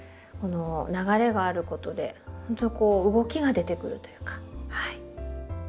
この流れがあることでほんとにこう動きが出てくるというか。